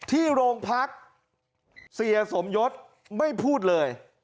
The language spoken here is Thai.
ที่โรงพักเสียสมยศไม่พูดเลย